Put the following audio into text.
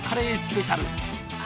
スペシャル！